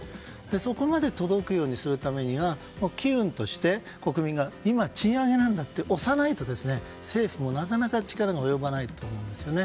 そこまで届くようにするためには機運として国民が今、賃上げなんだと推さないと政府も、なかなか力が及ばないと思うんですよね。